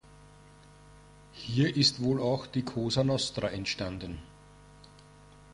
Hier ist wohl auch die Cosa Nostra entstanden.